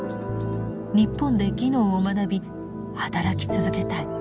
日本で技能を学び働き続けたい。